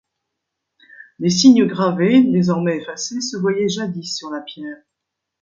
Des signes gravés désormais effacés se voyaient jadis sur la pierre.